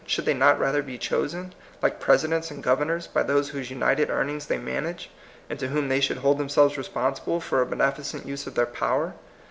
Should they not rather be chosen, like presidents and governors, by those whose united earnings they manage, and to whom they should hold themselves responsible for a benefi cent use of their power?